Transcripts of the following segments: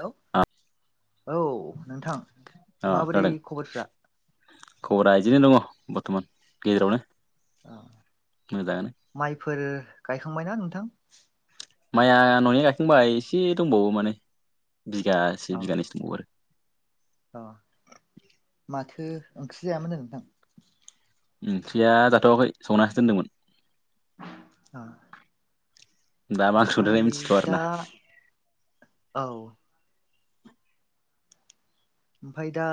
हेल' औ नोंथां अ माबोरै खोनादों खबरफ्रा? खबरा आइजिनो दङ बर्थमान गेजेरावनो अ मोजाङानो। माइफोर गायखांबायना नोंथां? माइया न'नि गायखांबाय एसे दंबावो माने बिगासे अ बिगानैसो दंबावो आरो। अ माथो ओंख्रि जायामोन नोंथां? ओंख्रिया जाथ'वाखै संनासो दोनदोंमोन। अ। दा मा ओंख्रि ओमफ्राय संदोंथाय मिथिथ'आ दा आरोना औ। ओमफ्राय दा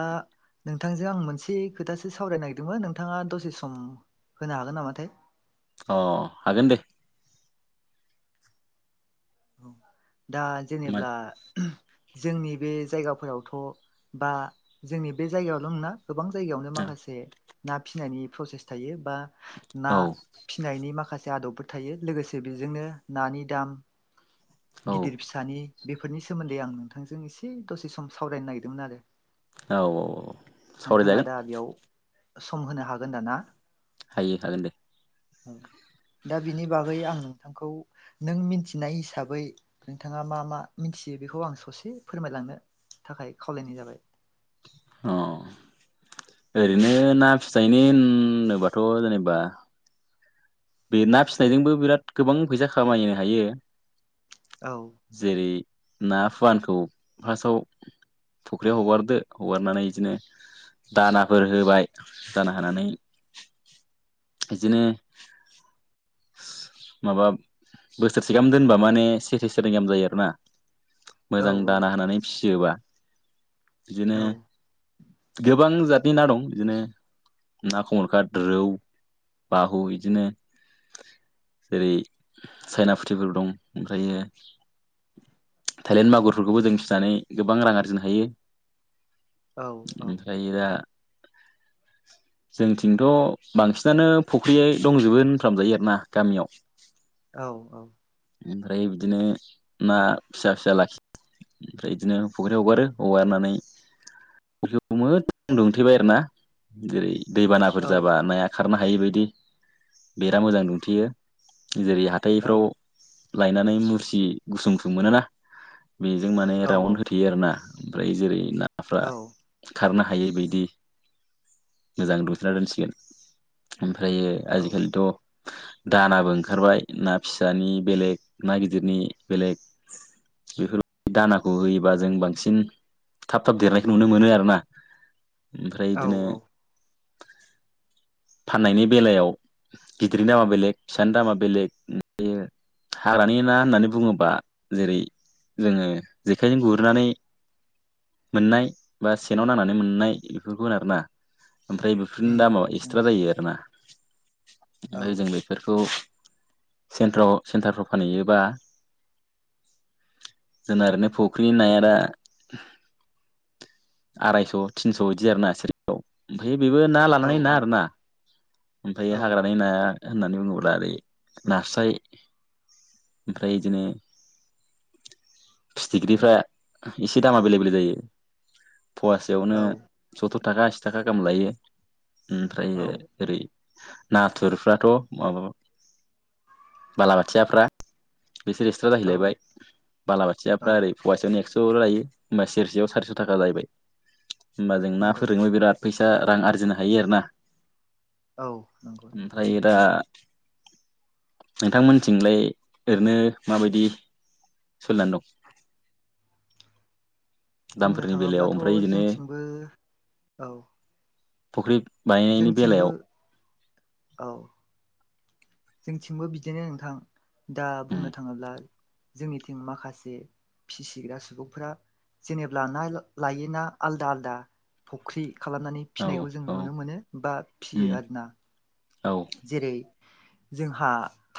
नोंथांजों आं मोनसे खोथासो सावरायनो नागिरदोंमोन नोंथाङा दसे सम होनो हागोन नामाथाय? अ हागोन दे। दा मान जेनेब्ला जोंनि बे जायगाफोरावथ' बा जोंनि बे जायगायावल' ना गोबां जायगायावनो औ माखासे ना फिसिनायनि प्रसेस थायो बा ना औ फिनायनि माखासे आदबफोर थायो लोगोसे बेजोंनो नानि दाम। औ गिदिर फिसानि बेफोरनि सोमोन्दै आं नोंथांजों एसे दसे सम सावरायनो नागिरदोंमोन आरो। औ औ नोंथाङा सावरायजागोन दा बेयाव सम होनो हागोन दा ना? हायो हागोन दे। दा बिनि बागै आं नोंथांखौ नों मिनथि नाय हिसाबै नोंथाङा मा मा मिथियो बेखौ आं ससे फोरमायलांनो? थाखाय खावलायनाय जाबाय। अ ओरैनो ना फिथाइनि नोबाथ' जेनेबा बे ना फिसिनायजोंबो बिराद गोबां फैसा खामायनो हायो। औ। जेरै ना फुवानखौ फार्स्टआव फुख्रियाव हगारदो हगारनानै इदिनो दानाफोर होबाय दाना होनानै। बिदिनो माबा बोसोरसे गाहाम दोनबा माने ससे सननि गाहाम जायो आर ना औ मोजां औ दाना होनानै फिसियोबा बिदिनो औ गोबां जातनि ना दं बिदिनो ना खमुरखा रौव बाहु बिदिनो जेरै चाइना फुथिफोर दं ओमफ्रायो थाइलेन्ड मागुरफोरखौबो जों फिसिनानै गोबां रां आरजिनो हायो औ औ ओमफ्राय इ दा जोंथिंथ' बांसिनानो फुख्रिय दंजोबो होनफ्राम जायो आरो ना गामियाव औ औ ओमफ्राय बिदिनो ना फिसा फिसा लाखि ओमफ्राय बिदिनो फुख्रि हगारो हगारनानै अ मोज दुंनो थेबाय आरो ना जेरै दैबानाफोर औ जाबा नाया खारनो हायि बायदि बेरा मोजां दुमथेयो जेरै हाथ औ हाथथायफ्राव लायनानै मुरसि गुसुं गुसुं मोन ना बेजों माने औ राउन्ड होथेयो आरोना ओमफ्राय जेरै नाफ्रा औ खारनो हायै बदि मोजां दुथना दोनसिगोन ओमफ्रायो औ आजिखालिथ' दानाबो ओंखारबाय ना फिसानि बेलेग ना गिदिरनि बेलेग बेफोरबायदि दानाखौ होयोबा जों बांसिन थाब थाब देरनायखौ नुनो मोनो आरो ना ओमफ्राय औ बिदिनो औ फाननायनि बेलायाव गिदिरनि नामा बेलेग फिसानि दामा बेलेग ओमफ्रायो हाग्रानि ना होननानै बुङोबा जेरै जोङो जेखाइजों गुरनानै मोननाय बा सेेनाव नांनानै मोननाय बेफोरखौ आरोना ओमफ्राय बे बेफोरनि उम दामा एक्सट्रा नंगौ जायो आरोना औ ओमफ्राय जों बे बेफोरखौ सेन्टाराव सेन्टारफ्राव फानहैयोबा जोंना ओरैनो फुख्रिनि नाया दा आरायस' थिनस' बिदि आर ना सिरियाव ओमफफ्राय बेबो ना औ लानानै ना औ आरोना ओमफ्राय हाग्रानि नाया होननानै बुङोब्ला ओरै नास्राय ओमफ्राय बिदिनो फिथिख्रिफ्रा एसे दामा बेले बेले जायो फवासेयावनो औ स्थुर थाखा आसि थाखा गाहाम लायो औ ओमफ्राय ओरै नाथुरफ्राथ' माब बालाबाथियाफ्रा बिसोर एक्स्रा जाहैलायबाय बालाबाथियाफ्रा ओरै फवासेयावनो एक्स'ल' लायो होमबा सेरसेयाव सारिस' थाखा जाहैबाय होमबा जों ना नंगौ फोरोंबो बिराद फैसा रां आरजिनो हायो आरोना औ नंगौ नंगौ ओमफ्राय दा नोंथांमोनथिंलाय ओरैनो माबायदि सल द बुंनो दामफोरनि बेलायाव थाङोब्लाथ' ओमफ्राय बिदिनो जोंथिंबो औ फुख्रि बानायनायनि जोंथिंबो बेलायाव औ जोंथिंबो बिदिनो नोंथां दा उम बुंनो थाङोब्ला जोंनिथिं माखासे फिसिग्रा सुबुंफ जेनेबब्ला ना लायोना आलादा आलादा फुख्रि खालामनानै औ फिसिनायखौ जों औ नुनो मोनो बा फियो उम आरोना औ जेरै जोंहा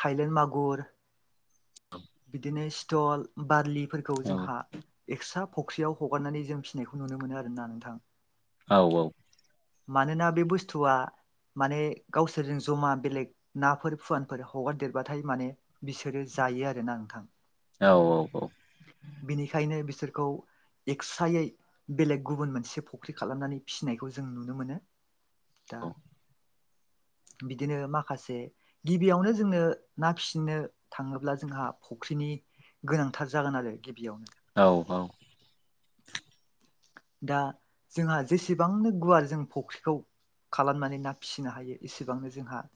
थायलेण्ड मागुर औ [unintelligible] बिदिनो स्थल बारलिफोरखौ औ जोंहा। एक्स्रा पक्सियाव हगारनानै जों फिनायखौ नुनो मोनो आरो ना नोंथां। औ औ। मानोना बे बुस्थुआ। माने गावसोरजों जमा बेलेग नाफोर फुवानफोर हगारदेरबाथाय माने। बिसोरो जायो आरोना नोंथां। औ औ औ। बिनिखायनो बिसोरखौ। एक्स्रायै बेलेग गुबुन मोनसे फख्रि खालामनानै फिसिनायखौ जों नुनो मोनो। दा। बिदिनो माखासे गिबियावनो जोंङनो ना फिसिनो थाङोब्ला जोंहा। फुख्रिनि गोनांथार जागोन आरो गिबियावनो। औ औ। दा जोंहा जेसेबांनो गुवार जों फुख्रिखौ। खालामनानै ना फिसिनो हायो एसेबांनो जोंहा।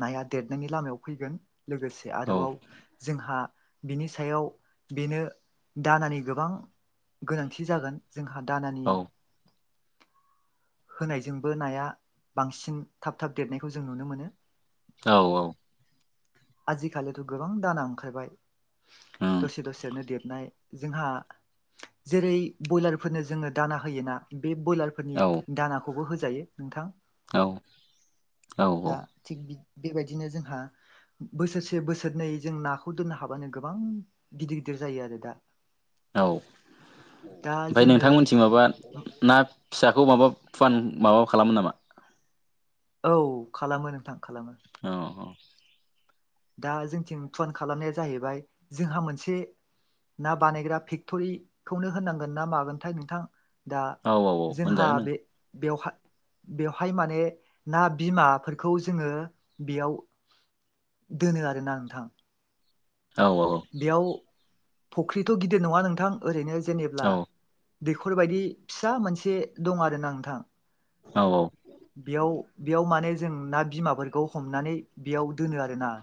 नाया देरनायनि लामायाव फैगोन लोगोसे। आरोबाव जोंहा बिनि सायाव बेनो दानानि गोबां। गोनांथि जागोन जोंहा दानानि। होनायजोंबो नाया बांसिन थाब थाब देरनायखौ जों नुनो मोनो। औ औ। आजिखालिथ' गोबां दाना ओंखारबाय। उम दसे दसेनो दबनाय जोंहा। जेरै ब्रयलारफोरनो जोङो दाना होयोना बे ब्रयलार। फोरनि औ दानाखौबो होजायो नोंथां। औ औ दा औ। थिग बेबायदिनो जोंहा। बोसोरसे बोसोरनै जों नाखौ दोननो हाबानो गोबां गिदिर गिदिर जायो आरो दा। औ दा ओमफ्राय जोङो नोंथांमोनथिं माबा ना। फिसाखौ माबा फुवान माबा खालामो नामा। औ खालामो नोंथां खालामो। अ अ। दा जोंथिं फइन् खालामनाया जाहैबाय जोंहा मोनसे। ना बानायग्रा फेक्टरिखौनो होनांगोन ना मागोनथाय नोंथां। दा औ औ औ जोंहा मोनजागोन बे। बेवह बेवहाय माने ना बिमाफोरखौ जोङो बेयाव। दोनो आरोना नोंथां। ओं बेयाव फुख्रिथ' गिदिर नङा नोंथां ओरैनो औ जेनेब्ला। दैखर बायदि फिसा मोनसे दं आरोना नोंथां। औ औ। बेयाव बेयाव माने जों ना बिमाफोरखौ हमनानै बेयाव दोनो आरोना।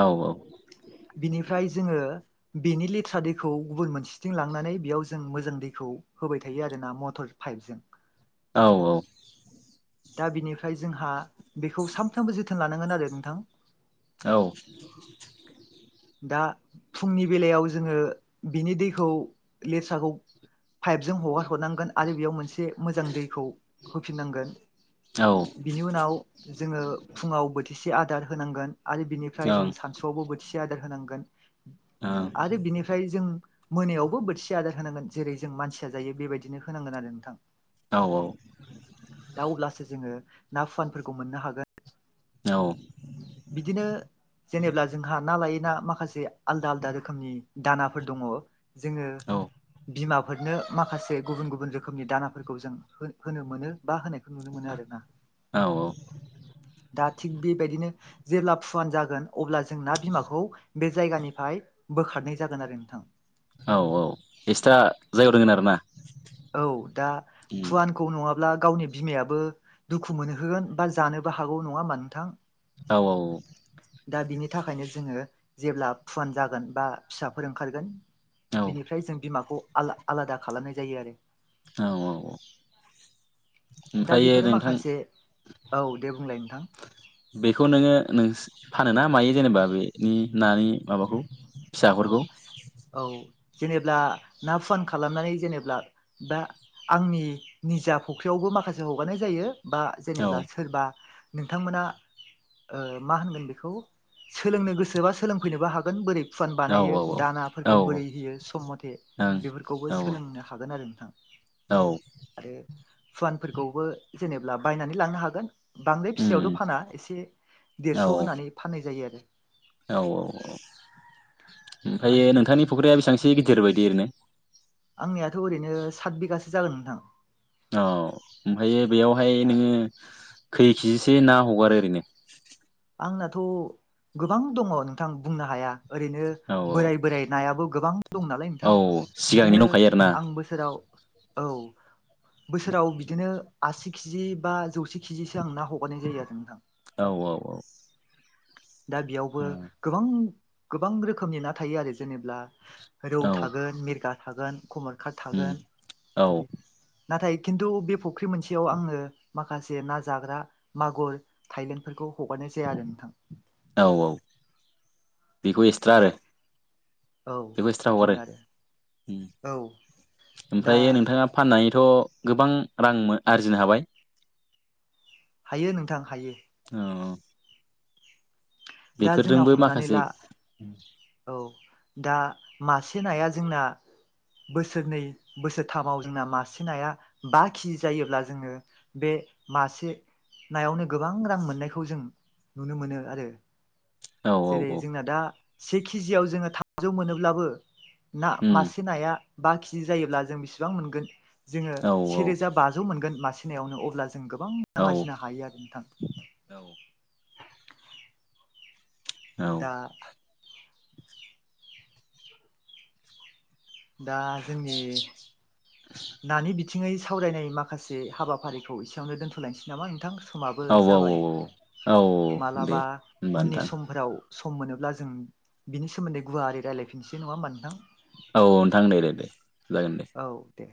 औ औ। बिनिफ्राय जोङो। बेनि लेथ्रा दैखौ गुबुन मोनसेथिं लांनानै बेयाव जों मोजां दैखौ। होबाय थायो आरो ना मटर पाइपजों। औ औ। दा बिनिफ्राय जोंहा बेखौ सानफ्रामबो जोथोन लानांगोन आरो नोंथां। औ। दा फुंनि बेलायाव जोङो बिनि दैखौ लेरसाखौ। पाइपजों हगार हरनांगोन आरो बेयाव मोनसे मोजां दैखौ होफिननांगोन। बिनि उनाव जोङो फुङाव बोथिसे आदार होनांगोन आरो बिनिफ्राय जों सानसु बावबो बोथिसे आदार होनांगोन आरो बिनिफ फाय जों मोनायावबो बोथिसे आदार होनांगोन जेरै जों मानसिया जायो बेबायदिनो होनांगोन आरो नोंथां। औ औ। दा अब्लासो जोङो ना फुवानफोरखौ मोननो हागोन। औ। बिदिनो जेनेब्ला जोंहा ना लायै ना माखासे आलदा आलदा रोखोमनि दानाफोर दङ। जोङो बिमा फोरनो माखासे गुबुन गुबुन रोखोमनि दानाफोरखौ जों होनो मोनो बा होनायखौ नुनो मोनो आरोना। औ औ। दा थिग बेबायदिनो जेब्ला फुवान जागोन अब्ला जोंना बिमाखौ बे जायगानिफाय बोखारनाय जागोन आरो नोंथां। औ औ एक्सट्रा जायगायाव दोनगोन आरोना। औ दा उम फुवान खौ नङाब्ला गावनि बिमायाबो दुखु मोनहोगोन बा जानोबो हागौ नङा होमबा नोंथां। औ औ। दा बिनि थाखायनो जोङो जेब्ला फुवान जागोन बा फिसाफोर ओंखारगोन औ बिनिफ्राय जों बिमाखौ आला आलादा खालामनाय जायो आरो। औ औ औ। दा ओमफ्रायो बेफोरो नोंथां माखासे औ दे बुंलाय नोंथां। बेखौ नोङो नों फानोना मायो जेनेबा बेनि नानि माबाखौ? औ फिसाफोरखौ औ जेनेब्ला ना फुवान खालामनानै जेनेब्ला दा आंनि निजा फुख्रियावबो माखासे हगारनाय जायो बा औ जेनेबा सोरबा नोंथांमोना ओ मा होनगोन बेखौ सोलोंनो गोसोबा सोलोंफैनोबो हागोन बोरै फुवान औ बानायो औ दानाफोरखौ बोरै होयो सम मथे ओं बेफोरखौबो औ सोलोंनो हागोन आरो नोंथां। औ। आरो फुवानफोरखौबो जेनेब्ला बायनानै लांनो हागोन। बांद्राय फिसायावथ' उम फाना एसे औ देरस' होनानै फाननाय जायो आरो। औ औ औ ओमफायो आरो नोंथांनि फख्रिया बेसांसि गिदिर बायदि ओरैनो? आंनियाथ' ओरैनो सात बिगासो जागोन नोंथां। अ ओमफायो बेयावहाय दा नोङो खै केजिसो ना हगारो ओरैनो? आंनाथ' गोबां दङ नोंथां बुंनो हाया। ओरैनो औ बोराय बोराइ नायाबो गोबां दं नालाय औ नोंथां। सिगांनि बिदिनो दंखायो आरोना आं बोसोराव औ। बोसोराव बिदिनो आसि किजि बा जौसे किजिसो आं ना हगारनाय जायो आरो नोंथां। औ औ औ। दा बेयावबो गोबां गोबां रोखोमनि ना थायो आरो जेनेब्ला रौ औ थागोन मिरगा थागोन खमरखात उम थागोन औ बिदि। नाथाय खिन्थु बे फुख्रि मोनसेयाव आङो माखासे ना जाग्रा मागुर थायलेण्डफोरखौ हगारनाय जाया आरो नोंथां। औ औ बेखौ एक्सट्रा आरो। औ बेबो एक्सथ्रा हगारो बिदिनो आरो उम औ दा ओमफ्रायो नोंथाङाफ फाननानैथ' गोबां रां आरजिनो हाबाय। हायो नोंथां हायो। औ औ। दा जोंना हमनानै माखासे ला औ दा मासे नाया जोंना बोसोरनै बोसोरथामाव जोंना मासे नाया बा खिजि जायोब्ला जोंङो बे मासे नायावनो गोबां रां मोननायखौ जों नुनो मोनो आरो। औ औ जेरै औ जोंना दा से केजियाव जोंङो थजौ मोनोब्लाबो ना उम मासे नाया बा केजि जायोब्ला जों बेसेबां मोनगोन जोंङो औ सेरोजा बा मोनगोन मासेनायावनो अब्ला जों गोबां औ रांजिनो हायो आरो नोंथां। औ औ दा दा जोंनि नानि बिथ थिङै सावरायनाय माखासे हाबाफारिखौ एसेयावनो दोनथ'लांनोसै नामा नोंथां? समाबो औ औ जाबाय औ दे मालाबा होनबा उननि नोंथां समफोराव सम मोनोब्ला जों बिनि सोमोन्दै गुवारारि रायलायफिननोसै नङा होमबा नोंथां। औ नोंथां दे दे दे जागोन दे औ दे